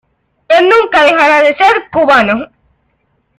Él nunca dejará de ser cubano.